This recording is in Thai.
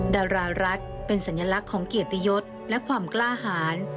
ดารารัฐเป็นสัญลักษณ์ของเกียรติยศและความกล้าหาร